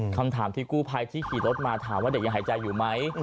คำถามที่กู้ภัยที่ขี่รถมาถามว่าเด็กยังหายใจอยู่ไหม